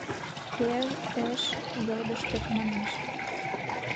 Пе-эш йодыштык манеш.